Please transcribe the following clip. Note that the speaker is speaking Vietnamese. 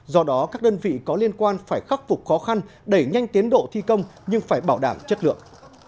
do đó các đơn vị có liên quan phải khắc phục khó khăn đẩy nhanh tiến độ thi công nhưng phải bảo đảm chất lượng